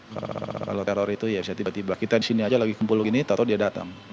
kalau teror itu ya bisa tiba tiba kita disini aja lagi kumpul gini takut dia datang